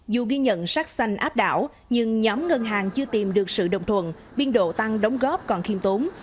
dù ghi nhận sắc xanh áp đảo nhưng nhóm ngân hàng chưa tìm được sự đồng thuận biên độ tăng đóng góp còn khiêm tốn